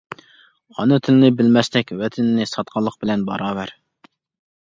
ئانا تىلنى بىلمەسلىك ۋەتىنىنى ساتقانلىق بىلەن باراۋەر.